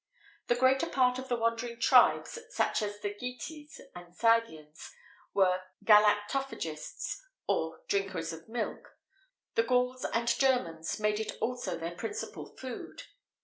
The greater part of the wandering tribes, such as the Getes and Scythians, were galactophagists,[XVIII 5] or drinkers of milk;[XVIII 6] the Gauls[XVIII 7] and Germans[XVIII 8] made it also their principal food.